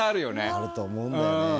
あると思うんだよね。